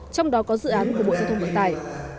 trong đó có dự án của bộ giao thông vận tải